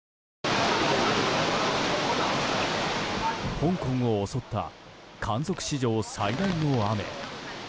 香港を襲った観測史上最大の雨。